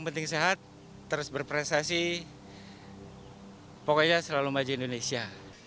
mas pertama indonesia